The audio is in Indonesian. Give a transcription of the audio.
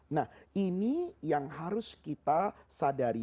nah ini yang harus kita sadari